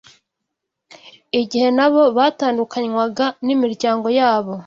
igihe nabo batandukanywaga n’imiryango yabo